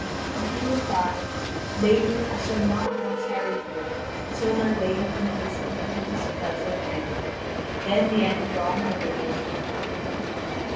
And he replied: "Lady, I shall not now tarry here until my lady removes from me her displeasure and anger: then the end of all my labours will come."